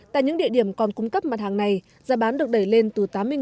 tại những địa điểm còn cung cấp mặt hàng này giá bán được đẩy lên từ tám mươi